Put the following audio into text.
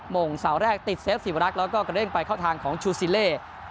โมงเสาแรกติดเซฟศิวรักษ์แล้วก็กระเด้งไปเข้าทางของชูซีเล